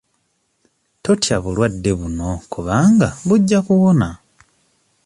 Totya bulwadde buno kubanga bujja kuwona.